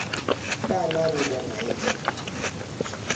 Kaa nami Bwana yesu